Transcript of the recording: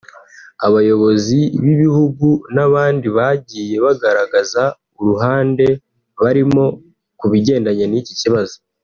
abayobozi b’ibihugu n’abandi bagiye bagaragaza uruhande barimo ku bigendanye n’iki kibazo